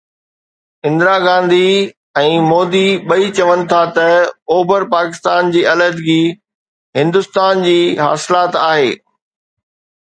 اندرا گانڌي ۽ مودي ٻئي چون ٿا ته اوڀر پاڪستان جي علحدگي هندستان جي حاصلات آهي.